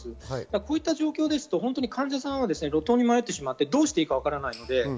こういった状況ですと患者さんは路頭に迷ってしまってどうしていいかわからない。